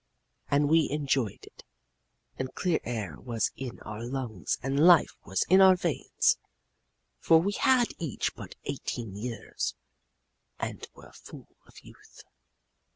And we enjoyed it, and clear air was in our lungs and life was in our veins, for we had each but eighteen years and were full of youth.